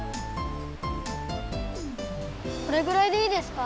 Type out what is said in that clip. これぐらいでいいですか？